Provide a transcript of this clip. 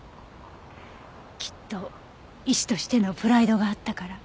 きっと医師としてのプライドがあったから。